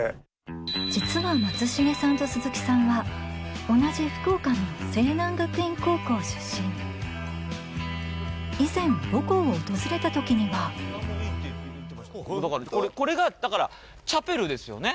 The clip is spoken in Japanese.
実は松重さんと鈴木さんは同じ以前母校を訪れた時にはこれがだからチャペルですよね。